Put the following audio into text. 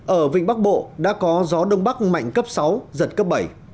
ở vịnh bắc bộ đã có gió đông bắc mạnh cấp sáu giật cấp bảy